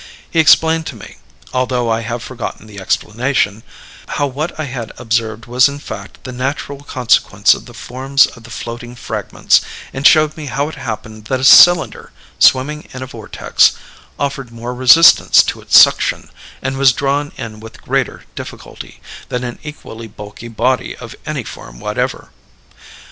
He explained to me although I have forgotten the explanation how what I had observed was in fact the natural consequence of the forms of the floating fragments; and showed me how it happened that a cylinder, swimming in a vortex, offered more resistance to its suction, and was drawn in with greater difficulty, than an equally bulky body of any form whatever.